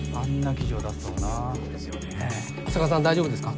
大丈夫ですか？